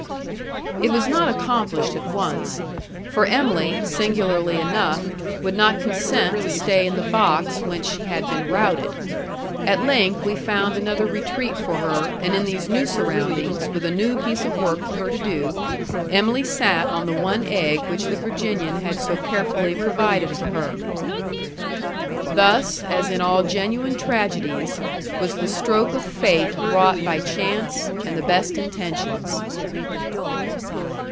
It was not accomplished at once; for Em'ly, singularly enough, would not consent to stay in the box whence she had been routed. At length we found another retreat for her, and in these new surroundings, with a new piece of work for her to do, Em'ly sat on the one egg which the Virginian had so carefully provided for her. Thus, as in all genuine tragedies, was the stroke of Fate wrought by chance and the best intentions.